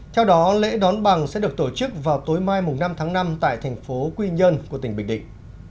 theo đó lễ đón bằng sẽ được tổ chức vào tối mai năm tháng năm tại thành phố quy nhơn của tỉnh bình định